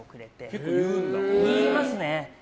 結構、言いますね。